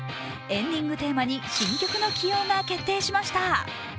エンディングテーマに新曲の起用が決定しました。